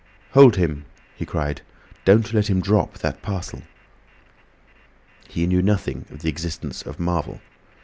"Hold him!" he cried. "Don't let him drop that parcel." He knew nothing of the existence of Marvel.